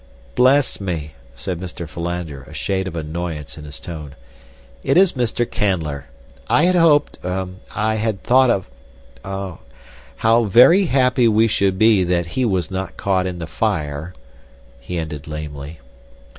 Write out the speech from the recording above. "Bless me!" said Mr. Philander, a shade of annoyance in his tone. "It is Mr. Canler. I had hoped, er—I had thought or—er—how very happy we should be that he was not caught in the fire," he ended lamely.